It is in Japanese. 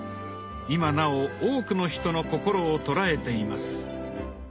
今なお多くの人の心を捉えています。